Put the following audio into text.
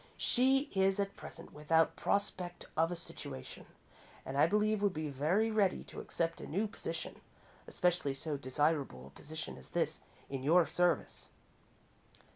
She is at present without prospect of a situation, and I believe would be very ready to accept a new position, especially so desirable a position as this, in your service."